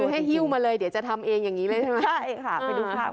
คือให้ฮิวมาเลยเดี๋ยวจะทำเองอย่างนี้เลยใช่ไหม